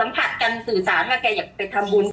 ผัดกันสื่อสารว่าแกอยากไปทำบุญ